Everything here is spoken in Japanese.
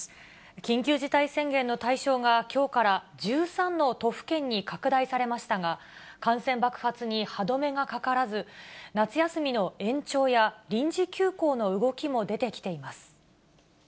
緊急事態宣言の対象がきょうから１３の都府県に拡大されましたが、感染爆発に歯止めがかからず、夏休みの延長や臨時休校の動きも出てきています。